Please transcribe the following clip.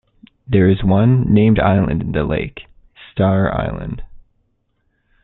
There is one named island in the lake, Star Island.